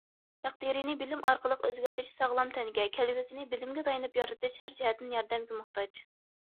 تەقدىرىنى بىلىم ئارقىلىق ئۆزگەرتىش ساغلام تەنگە، كەلگۈسىنى بىلىمگە تايىنىپ يارىتىش ھەر جەھەتتىن ياردەمگە موھتاج.